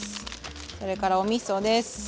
それからおみそです。